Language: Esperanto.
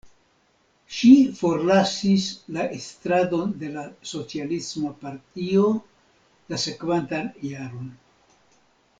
Ŝi forlasis la estradon de la Socialisma Partio la sekvantan jaron.